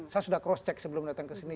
saya sudah cross check sebelum datang ke sini